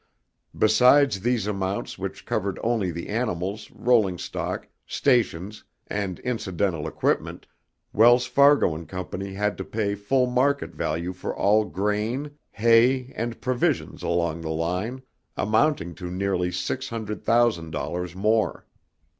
Besides these amounts which covered only the animals, rolling stock, stations, and incidental equipment, Wells Fargo and Co. had to pay full market value for all grain, hay and provisions along the line, amounting to nearly six hundred thousand dollars more.